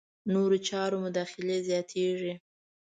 نورو چارو مداخلې زیاتېږي.